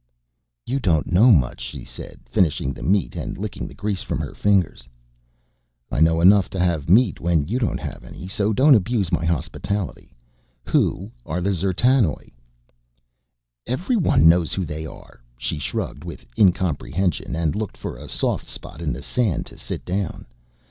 "You don't know much," she said, finishing the meat and licking the grease from her fingers. "I know enough to have meat when you don't have any so don't abuse my hospitality. Who are the D'zertanoj?" "Everyone knows who they are." She shrugged with incomprehension and looked for a soft spot in the sand to sit down.